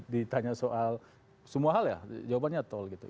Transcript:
ditanya soal semua hal ya jawabannya tol gitu